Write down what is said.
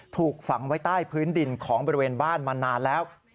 ถูกฝังไว้ใต้พื้นดินของบริเวณบ้านมานานแล้ว